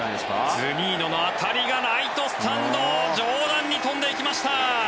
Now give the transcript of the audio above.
ズニーノの当たりがライトスタンド上段に飛んでいきました！